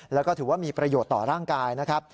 แล้วก็ถือว่ามีประโยชน์ต่อร่างกายนะครับ